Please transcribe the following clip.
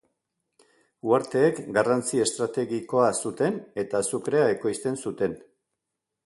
Uharteek garrantzi estrategikoa zuten eta azukrea ekoizten zuten.